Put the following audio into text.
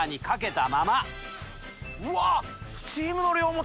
うわっ！